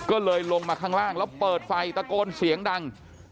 ก็เลยลงมาข้างล่างแล้วเปิดไฟตะโกนเสียงดัง